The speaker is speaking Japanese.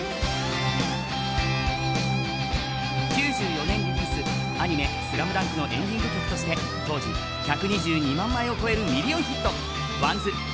９４年リリース、アニメ「ＳＬＡＭＤＵＮＫ」のエンディング曲として当時１２２万枚を超えるミリオンヒット。